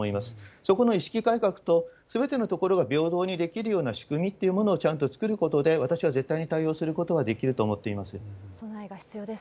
そこの意識改革と、すべてのところが平等にできるような仕組みっていうものをちゃんと作ることで、私は絶対に対応することができると思っています。